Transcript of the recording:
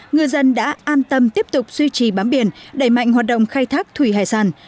ngư dân đã an tâm tiếp tục duy trì bám biển đẩy mạnh hoạt động khai thác thủy hải sản